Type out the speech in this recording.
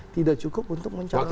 tidak cukup untuk mencalonkan